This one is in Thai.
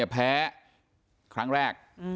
แพ้ครั้งแรก